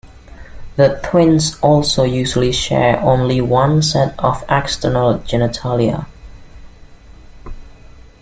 The twins also usually share only one set of external genitalia.